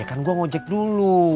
ya kan gue ngojek dulu